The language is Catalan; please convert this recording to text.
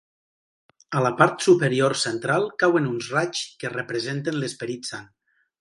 A la part superior central, cauen uns raigs que representen l'Esperit Sant.